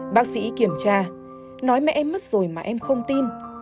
bác sĩ kiểm tra nói mẹ em mất rồi mà em không tin